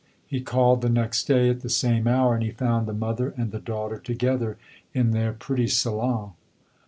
He called the next day at the same hour, and he found the mother and the daughter together in their pretty salon.